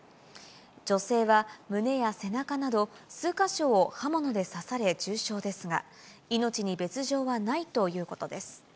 女性は胸や背中など数か所を刃物で刺され重傷ですが、命に別状はないということです。